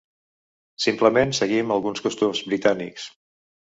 Simplement seguim alguns costums britànics.